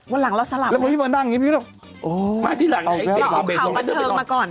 วันหลังเราสลับแล้วอ๋อเอาข่าวบันเทิงมาก่อน